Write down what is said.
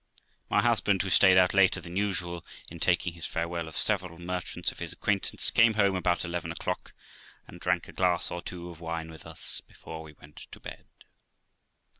My husband, who stayed out later than usual, in taking his farewell of several merchants of his acquaintance, came home about eleven o'clock, and drank a glass or two of wine with us before we went to bed.